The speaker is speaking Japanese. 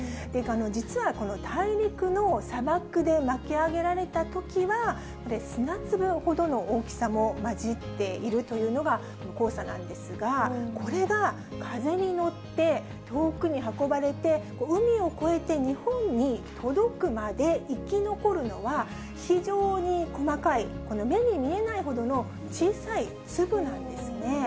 実はこの大陸の砂漠で巻き上げられたときは、砂粒ほどの大きさも混じっているというのが黄砂なんですが、これが風に乗って遠くに運ばれて、海を越えて日本に届くまで生き残るのは、非常に細かい、この目に見えないほどの小さい粒なんですね。